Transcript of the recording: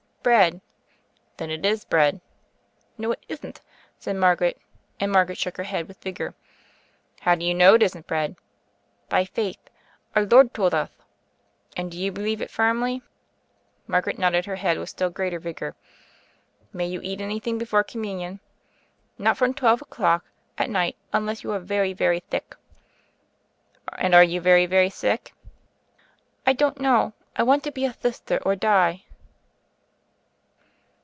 "Bread." "Then it is bread." "No, it ithn't," and Margaret shook her head with vigor. "How do you know it isn't bread?" "By faith ; Our Lord told uth." "And do you believe it firmly?" Margaret nodded her head with still greater vigor. "May you eat anything before Communion?" "Not from twelve o'clock at night, unleth you are very, very thick." "And are you very, very sick?" "I don't know. I want to be a Thithter or die?"